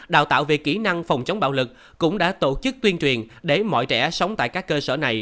đào tạo về kỹ năng phòng chống bạo lực cũng đã tổ chức tuyên truyền để mọi trẻ sống tại các cơ sở này